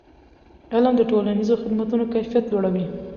علم د ټولنیزو خدمتونو کیفیت لوړوي.